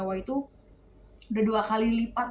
wah itu udah dua kali lipat